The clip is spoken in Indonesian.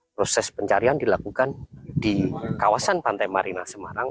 proses pencarian dilakukan di kawasan pantai marina semarang